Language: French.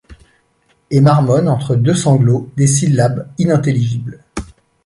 et marmonne entre deux sanglots des syllabes inintelligibles.